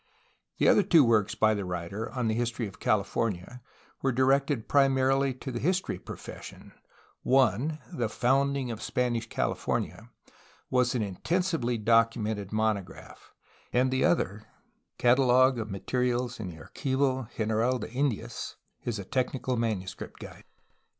The other two works by the writer on the history of Cal ifornia were directed primarily to the history profession; one {The Founding of Spanish California) was an inten sively documented monograph, and the other (Catalogue of Materials in the Archivo General de Indias) a technical manuscript guide.